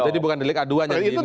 jadi bukan delik aduan yang begini